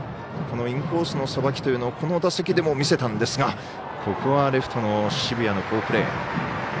インコースのさばきをこの打席でも見せたんですがここはレフトの澁谷の好プレー。